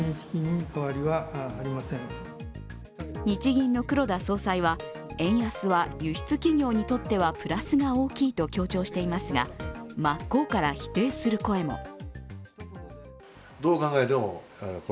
日銀の黒田総裁は円安は輸出企業にとってはプラスが大きいと強調していますが真っ向から否定する声も。